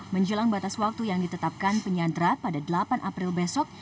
menjelang batas waktu yang ditetapkan penyandra pada delapan april besok